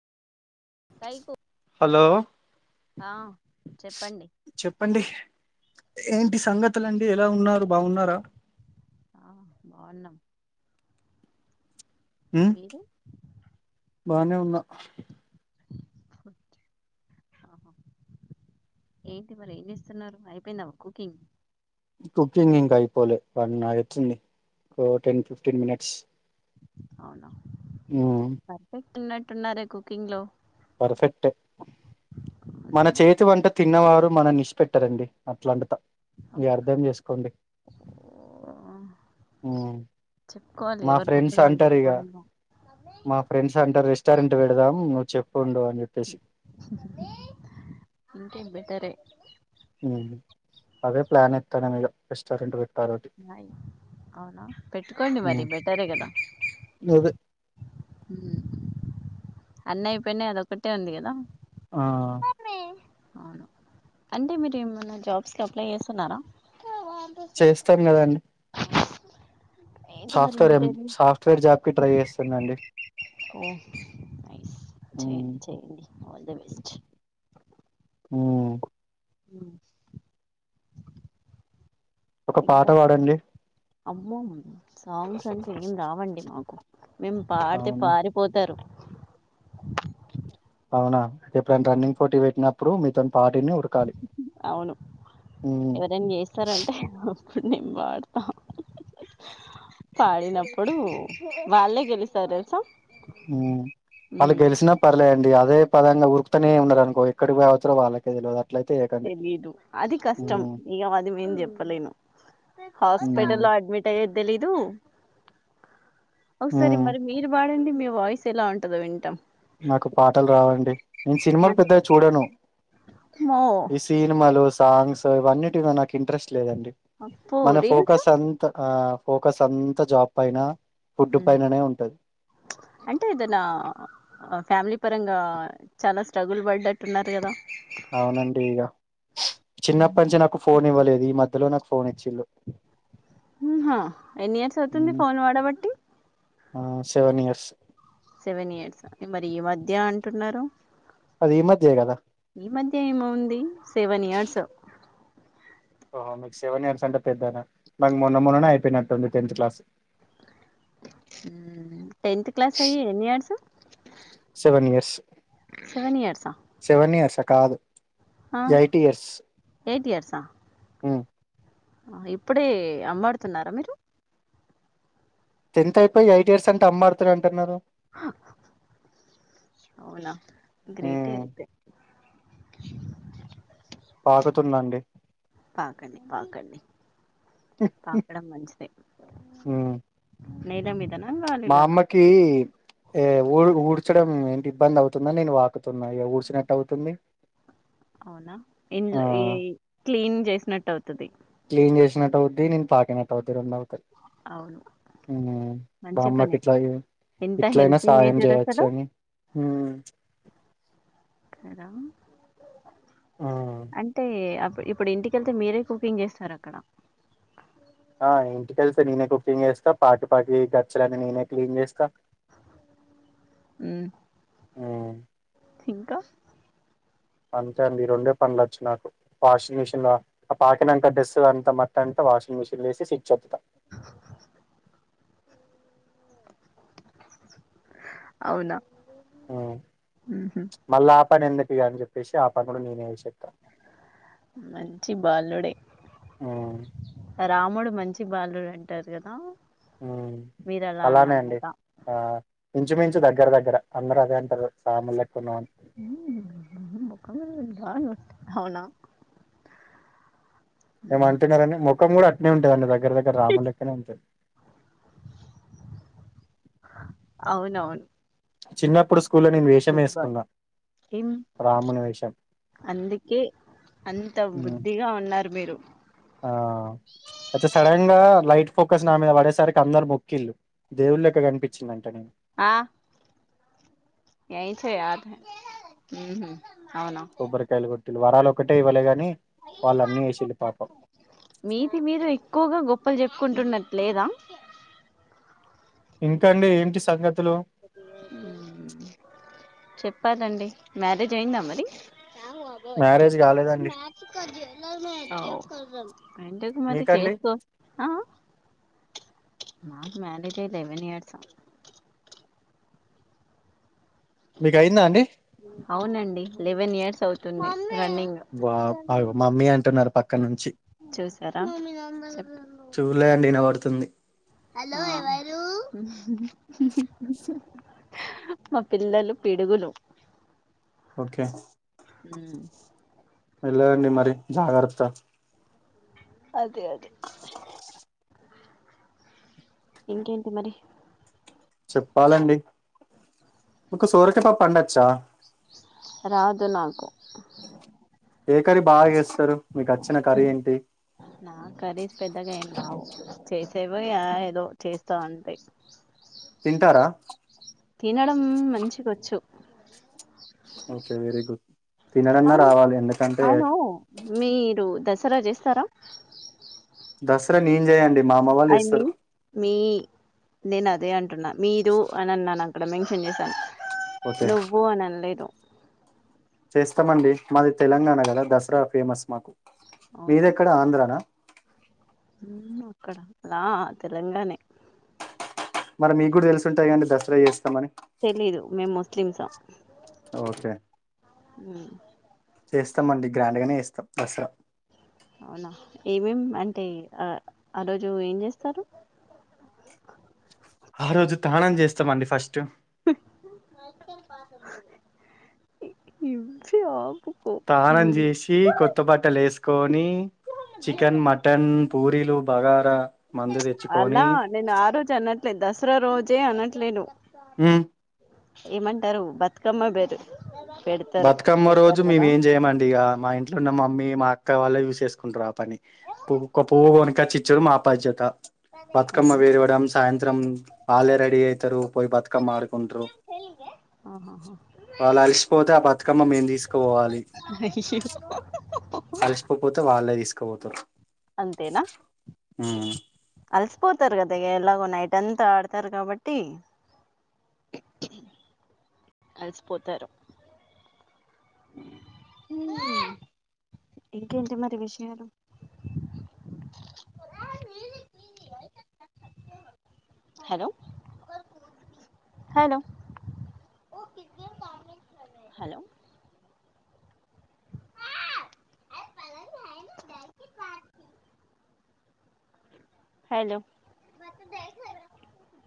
కైకు hello ఆ చెప్పండి చెప్పండి ఏంటి సంగతులండి ఎలా ఉన్నారు బాగున్నారా ఆ బాగున్నాం ఉమ్ మీరు బానే ఉన్నా ఏంటి మరి ఏం చేస్తున్నారు అయిపోయిందామా కుకింగ్ కుకింగ్ ఇంకా అయిపోలే వన్ అయితుంది టెన్ ఫిఫ్టీన్ మినిట్స్ అవున మ్ తున్నట్టున్నారే కుకింగ్ లో పర్ఫెక్ట్ అవునా మన చేతి వంట తిన్నవారు మనన్ని ఇచ్చ పెట్టరండి అట్లాంటి ఇగ అబ్బో అర్థం చేసుకోండి ఉమ్ చెప్పుకోవాలి మా ఎవరి ఫ్రెండ్స్ గొప్పది వాళ్ళు అంటారు ఇగ చెప్పుకోవడ మా ఫ్రెండ్స్ అంటరు రెస్టారెంట్ పెడదాం నువ్ చె ఇంకే బెటరే అదే ప్లాన్ ఎత్తన మేడం రెస్టారెంట్ పెట్టాలటి అవున పెట్టుకోండి మరి బెటరే కదా అదే అన్ని అయిపోయినయి అదొక్కటే ఉంది కదా ఆ అవును అంటే మీరు ఏమన్న జాబ్స్ కి అప్లై చేస్తున్నారా చేస్తాన్ కదండి ఏంటి మరి సాఫ్ట్వేర్ ఎం ఇంటర్వ్యూస్ సాఫ్ట్వేర్ జాబ్ కి ట్రై చేస్తున్నానండి ఓ ఉమ్ చెయండి చె్యండి ఆల్ ది బెస్ట్ మ్ ఉ ఒక పాట పాడండి అమ్మెయ్ సాంగ్స్ అంటే ఏం రావండి మాకు మేమ్ పాడితే అవునా పారిపోతారు అవున ఎప్పుడన్న రన్నింగ్ పోటీ పెట్నప్పుడు మీతో అవును ఉమ్ ఎవరైనా చేస్తారంటే నేన్ పాడతా పాడినప్పుడు వాళ్ళే గెలుస్తారు తెలుసా ఊ వాళ్ళు ఉమ్, గెలిసినా పర్లేండి అదే పదంగా ఉరుకుతనే ఉన్నారు అనుకో ఎక్కడికి పోవచ్చురో వాళ్ళకే తెల్వదు తెలీదు అది కష్టం ఇగ అది నేన్ జెప్పలేను ఉమ్ హాస్పెటల్లో అడ్మిటయ్యెది తెలీదు ఉమ్ ఓసారి మరి మీరు బాడండి మే వాయిస్ ఎలా ఉంటదో వింటాం నాకు పాటలు రావండి నేను సినిమాలు పెద్దగా చూడాను మో ఈ సినిమా లు సాంగ్స్ ఇవన్నిటిమీద నాకింట్రస్టు లేందండి అప్పు మన రీల్స్ ఫోకస్సు అంతా ఆ ఫోకస్ అంతా జాబ్ పైన ఫుడ్ ఉ పైననే ఉంటది అంటే దనా ఆ ఫ్యామిలీ పరంగా చాలా స్ట్రగుల్ పడ్డట్టున్నారు గదా అవునండి ఇగ చిన్నప్పట్నుంచి నాకు ఫోన్ ఇవ్వలేదు ఈ మధ్యలో నాకు ఫోన్ ఇచ్చిల్లు ఊహా ఎన్ని ఇయర్స్ అవుతుంది ఫోను వాడబట్టి ఆ సెవెన్ ఇయర్స్ సెవెన్ ఇయర్స మరి ఈ మధ్య అంటున్నారు అది ఈ మధ్యే కదా ఈ మధ్య ఏమువుంది సెవెన్ ఇయర్సు ఓహో మీకు సెవెన్ ఇయర్స్ అంటే పెద్దనా మాకు మొన్న మొన్ననే అయిపోయినట్టుంది టెన్త్ క్లాస్ ఊ టెన్త్ క్లాసు అయ్యి ఎన్ని ఇయర్సు సెవెన్ ఇయర్స్ సెవెన్ ఇయర్సా సెవెన్ ఇయర్సా కాదు ఎయిటియర్స్ ఎయిటియర్సా ఉ ఆహ ఇప్పుడే అమ్మాడుతున్నారా మీరు టెన్త్ అయిపోయ్ ఎయిట్ ఇయర్స్ అంటే అమ్మారుతున్నారు అంటాన్నారు అవునా గ్రేటే ఉమ్, అయితే పాకుతుందండి పాకండి పాకండి పాకడం మంచిదే ఉమ్. నేల మీద మా అమ్మకి ఏ ఊడ్ ఊడ్చడం ఏంటి ఇబ్బంది అవుతుందని నేను వాకు తున్నా ఇగ ఊడ్చినట్టు అవుతుంది అవునా ఆ ఇండ్లు క్లీన్ జేసినట్టు అవుతది క్లీన్ చేసినట్టు అవుద్ది నేను పాకినట్టు అవుద్ది రెండు అవుతాయ్ అవును ఊహూ మంచి బామ్మాకి పని ఇట్లాగే ఎంత ఇట్లైనా హెల్పింగ్ సాహయం నేచర్ అసలు జేయొచ్చని కరా ఉమ్ అంటే ఇప్పుడు ఇంటికెళ్తే మీరే కుకింగ్ జేస్తార అక్కడ ఆ ఇంటికెళ్తే నేనే కుకింగ్ జేస్తా పాట పాడి గచ్చలన్నీ నేనే క్లీన్ జెస్తా [inaudible] ఉ ఆ ఇంకా అంతే అండి ఈ రొండే పండ్లు వచ్చు నాకు వాషింగ్ మిషన్ లో ఆ పాకినాంక డ్రెస్సు అంత మట్టి అంత వాషింగ్ మిషన్ లో ఏసి సిచ్చేత్త అవున్ ఆ మళ్ళ ఆ పని ఎందుకు ఇగ అని చెప్పేసి ఆ పని కూడా నేనే చేసేత్త మంచి బాలుడే ఉమ్ రాముడు మంచి బాలుడు అంటారు కదా. ఉమ్ మీరు అలా అలానే అండి అన్నమాట ఆ ఇంచుమించు దగ్గర దగ్గ అందరు అదే అంటారు సాము ఉమ్ బాను అవున ఏమో అంటున్నారండి ముఖం కూడా అట్నే ఉంటది అండి దగ్గ దగ్గర రాముడు లెక్కనే ఉంటది. అవునవును చిన్నప్పుడు స్కూల్లో నేను వేషం గుడ్ బాయ్ వేసుకున్నా ఏం రాముని వేషం అందుకే అంత ఉమ్, బుద్ధిగా ఉన్నారు మీరు ఆ అచ్చ సడన్ గా లైట్ ఫోకస్ నా మీద పడేసరికి అందరు మొక్కిళ్ళు దే వుని లెక్క కనిపించిన ఆ ఎయయి చే యాద్ హే ఉమ్ హూ కొబ్బరికాయలు కొట్టిలు వరాలు ఒకటే ఇవ్వలే గాని వాళ్ళు అన్నీ వేసిళ్ళు పాపం మీది మీరే ఎక్కువగా గొప్ప గొప్పలు చెప్పుకుంటున్నట్టు లేదా ఇంకా అండి ఏంటి సంగతులు ఉమ్ చెప్పాలండి మ్యారేజ్ అయిందా మరి మ్యారేజ్ కాలేదండి ఆ ఎందుకు మరి మరి మీకండి చేసుకో ఆ మాకు మ్యారేజ్ అయి లెవెన్ ఇయర్స్ మీకు అయిందా అండి అవునండి లెవెన్ ఇయర్స్ అవుతుంది. రన్నింగ్ వా ఆగో మమ్మీ అంటున్నారు పక్క నుంచి చూసారా చూలే అండి వినబడుతుంది హలో ఎవరు మా పిల్లలు పిడుగులు ఓకే ఉమ్ మెల్లగా అండి మరి జాగ్రత్త అదే అదే ఇంకా ఏంటీ మరి మికు సోరకయా పప్పు వండొచ్చా రాదు నాకు ఏ కర్రీ బాగా చెస్ నాక్ కర్రీస్ పెద్దగా ఏం రావు చేసే పోయి ఏదో చేస్తా అంతే తింటారా తినడం మంచిగచ్చు ఓకే వెరీ గుడ్ తినుడన్నా అవును రావాలి ఎందుకంటే సరే చేస్తారా దసరా నేన్ చేయ అండి ఐ మీన్ మీ నేను అదే అంటున్నా మీరు అని అన్నాను అక్కడ మెన్షన్ చేశాను. ఓకే నువ్వు అని అనలేదు. స్థామండి. మాది తెలంగాణ గదా దసరా ఫేమస్ మాకు. మీది ఎక్కడ ఆంధ్రానా. ఉమ్మ్ అక్కడ లా తెలంగానే మరి మీకు గూడా తెలుసుంటాద కాండి దసరా ఏస్తామని తెలీదు మేమ్ ముస్లిమ్సా ఓకే ఉహ్ ఏస్తామండి గ్రాండ్ గానే ఏస్తాం దస్రా. అవునా ఏమేం అంటే ఆ ఆ రోజు ఏం జేస్తారు. ఆ రోజు తాణం జేస్తామండి ఫస్టు ఇబ్జాబ్ తానం జేచి కొత్త బట్టలు ఏసుకొని చికెన్ మటన్. పూరీలు బాగా అలా నేను ఆ రోజు అనట్లేద్, దసరా రోజే అనట్లేను. ఉహ్ ఏమంటారు బతుకమ్మ బేరు పెడతారు బతుకమ్మ రోజు పెడతారు మేమ్ కదా ఏం జేయమండి. ఇగా మా ఇంట్లో ఉన్న మమ్మీ, మా అక్క వాళ్ళే యూస్ ఏసుకుంటారు ఆ పని. పువ్ కో పువ్వు కొనుకొచ్చి చ్చు మా పజ్యత. బతుకమ్మ అంతే వేరవడం సాయంత్రం ఆలేే రెడీ అయితరు పోయ్ బతుక్ కామ్ ఆరుకుంటరు ఆహాహా. వాళ్ళ అల్స్ పోతే ఆ బతుకమ్మ మేం దీసుకుపోవాలి. అయ్యో అలసిపోపోతే వాళ్ళే దిస్క్ కోవొతార్ అంతేనా కలిసిపోతారు గదా ఎలాగో నైట్ అంతా ఆడతారు గవట్టి అ అల్సపోతారు. హీ ఇంకేంటి మరీ విషయాలు అ హాలో హలో హలో అ హలో